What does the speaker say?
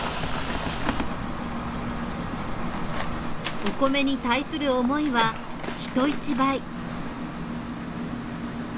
お米に対する思いは人一倍。